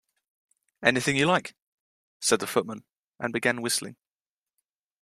‘Anything you like,’ said the Footman, and began whistling.